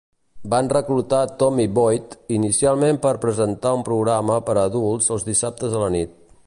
Van reclutar Tommy Boyd, inicialment per presentar un programa per a adults els dissabtes a la nit.